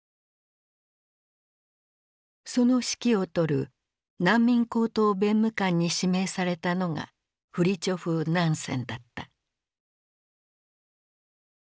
その指揮を執る難民高等弁務官に指名されたのがフリチョフ・ナンセンだった。